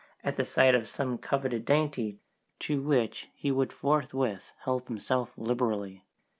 at the sight of some coveted dainty, to which he would forthwith help himself liberally.